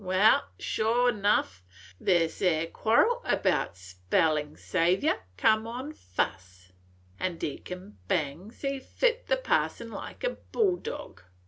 Wal, sure enuff, this 'ere quarrel 'bout spellin' Saviour come on fuss, an' Deacon Bangs he fit the Parson like a bulldog.